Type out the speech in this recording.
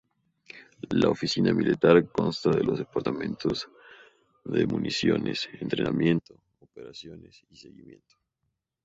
La oficina militar consta de los departamentos de municiones, entrenamiento, operaciones y seguimiento.